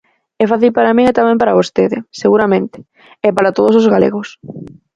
É fácil para min e tamén para vostede, seguramente, e para todos os galegos.